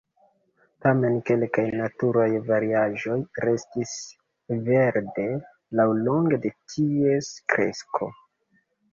Tamen kelkaj naturaj variaĵoj restas verde laŭlonge de ties kresko.